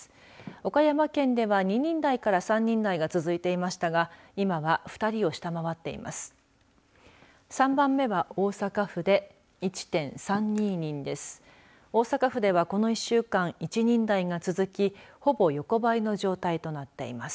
岡山県では２人台から３人台が続いていましたが今は２人を下回っています。